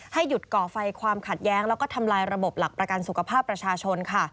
หยุดก่อไฟความขัดแย้งแล้วก็ทำลายระบบหลักประกันสุขภาพประชาชนค่ะ